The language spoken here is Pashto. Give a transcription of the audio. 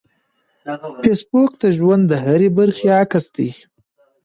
فېسبوک د ژوند د هرې برخې عکس دی